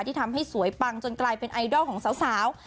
ที่ทำให้สวยปังจนกลายเป็นไอดอลของสาว